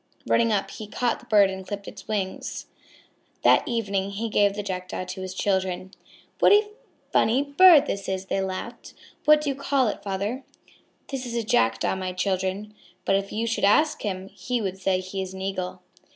Running up, he caught the bird and clipped its wings. That evening he gave the Jackdaw to his children. "What a funny bird this is!" they said laughing, "what do you call it, father?" "That is a Jackdaw, my children. But if you should ask him, he would say he is an Eagle."